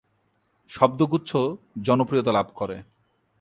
শব্দগুচ্ছ জনপ্রিয়তা লাভ করে।